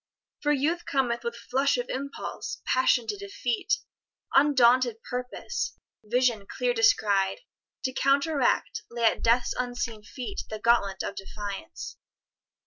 For Youth cometh With flush of impulse, passion to defeat, Undaunted purpose, vision clear descried, To counteract, lay at Death's unseen feet The gauntlet of defiance.